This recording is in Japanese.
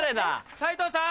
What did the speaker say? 斉藤さん？